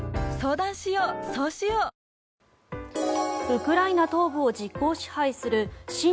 ウクライナ東部を実効支配する親